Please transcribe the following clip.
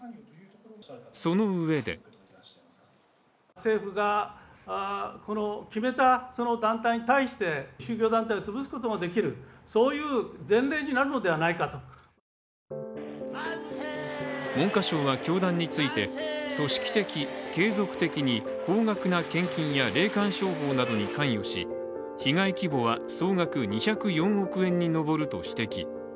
そのうえで文科省は教団について組織的継続的に高額な献金や霊感商法に関与し、被害規模は総額２０４億円に上ると指摘。